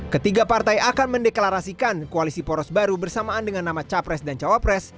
ketiga partai akan mendeklarasikan koalisi poros baru bersamaan dengan nama capres dan cawapres